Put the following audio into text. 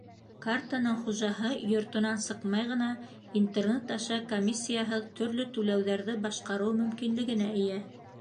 Картаның хужаһы йортонан сыҡмай ғына Интернет аша комиссияһыҙ төрлө түләүҙәрҙе башҡарыу мөмкинлегенә эйә.